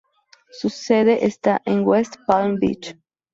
Su sede está en West Palm Beach.